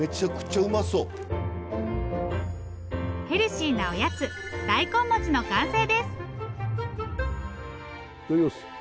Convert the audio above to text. ヘルシーなおやつ大根餅の完成です。